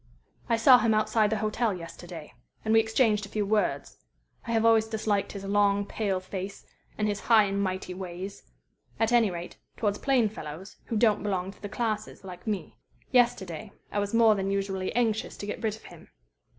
"I saw him outside the hotel yesterday, and we exchanged a few words. I have always disliked his long, pale face and his high and mighty ways at any rate, towards plain fellows, who don't belong to the classes, like me. Yesterday I was more than usually anxious to get rid of him.